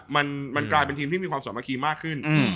มันมันกลายเป็นทีมที่มีความสมัครมากขึ้นอืม